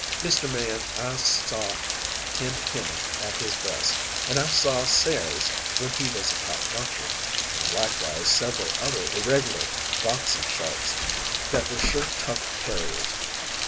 "Mister Man, I've saw Tim Henan at his best, an' I've saw Sayres when he was a top notcher, an' likewise several other irregler boxin' sharps that were sure tough tarriers.